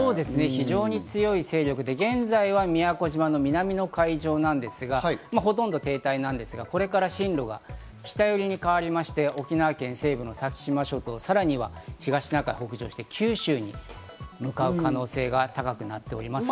非常に強い勢力で現在は宮古島の南の海上なんですが、ほとんど停滞なんですが、これから進路が北寄りにかわりまして、沖縄県西部の先島諸島、さらには東シナ海を北上して九州に向かう可能性が高くなっております。